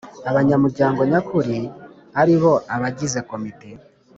abanyamuryango nyakuri ari bo Abagize Komite